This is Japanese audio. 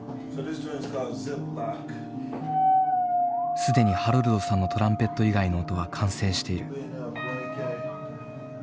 既にハロルドさんのトランペット以外の音は完成している。